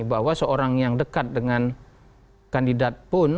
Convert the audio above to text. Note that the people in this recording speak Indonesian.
bahwa seorang yang dekat dengan kandidat pun